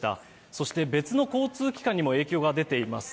そして、別の交通機関にも影響が出ています。